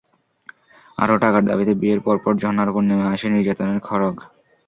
আরও টাকার দাবিতে বিয়ের পরপর ঝর্ণার ওপর নেমে আসে নির্যাতনের খড়্গ।